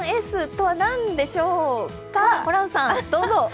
１Ｓとは何でしょうか、ホランさんどうぞ！